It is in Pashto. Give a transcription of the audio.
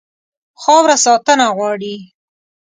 خاوره ساتنه غواړي.